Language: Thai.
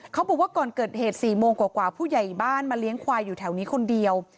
เขาบอกว่าก่อนเกิดเหตุ๔โมงกว่าผู้ใหญ่บ้านมาเลี้ยงควายอยู่แถวนี้คนเดียว